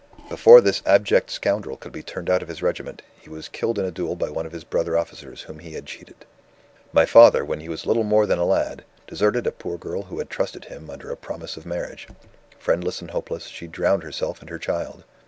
Before this abject scoundrel could be turned out of his regiment, he was killed in a duel by one of his brother officers whom he had cheated. "My father, when he was little more than a lad, deserted a poor girl who had trusted him under a promise of marriage. Friendless and hopeless, she drowned herself and her child.